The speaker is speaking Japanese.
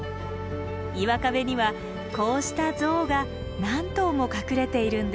岩壁にはこうした象が何頭も隠れているんです。